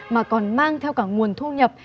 mà còn mang theo cả nguồn thu nhập